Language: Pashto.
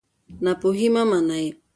ناپوهي مه منئ.